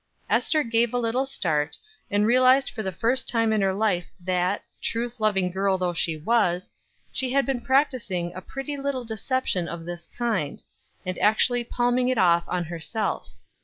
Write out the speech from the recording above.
Ester gave a little start, and realized for the first time in her life that, truth loving girl though she was, she had been practicing a pretty little deception of this kind, and actually palming it off on herself.